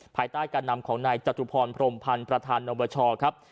ภายใต้การนำของนายจตุพรพรมพันธ์ประธานนวชครับ